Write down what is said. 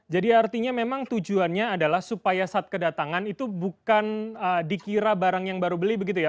jadi artinya memang tujuannya adalah supaya saat kedatangan itu bukan dikira barang yang baru beli begitu ya